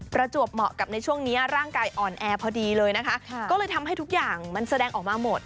ประจวบเหมาะกับในช่วงนี้ร่างกายอ่อนแอพอดีเลยนะคะก็เลยทำให้ทุกอย่างมันแสดงออกมาหมด